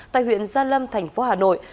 tại huyện gia lâm thành phố hà nội